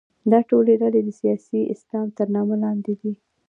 دا ټولې ډلې د سیاسي اسلام تر نامه لاندې دي.